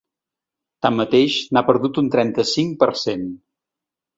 Tanmateix, n’ha perdut un trenta-cinc per cent.